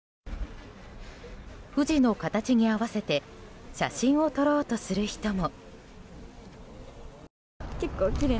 富士の形に合わせて写真を撮ろうとする人も。